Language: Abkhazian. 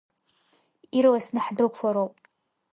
Ирласны ҳдәықәлароуп.